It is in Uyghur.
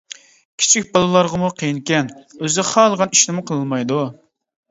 كىچىك بالىلارغىمۇ قىيىنكەن، ئۆزى خالىغان ئىشنىمۇ قىلالمايدۇ.